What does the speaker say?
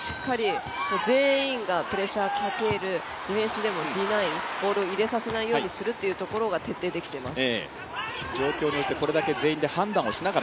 全員がプレッシャーかけるディフェンスでもディナイボールを入れさせないということが徹底できています。